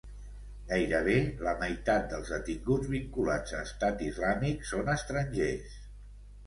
Gairebé la meitat dels detinguts vinculats a Estat Islàmic són estrangers